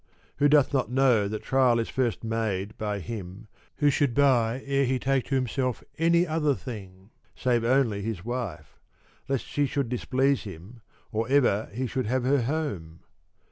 Who doth 26 not know that trial is first made by him who should buy ere he take to himself any other thing, save only his wife, — lest she should displease him or ever he have her home